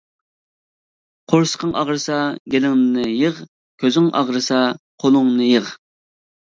قورسىقىڭ ئاغرىسا گېلىڭنى يىغ، كۆزۈڭ ئاغرىسا قولۇڭنى يىغ.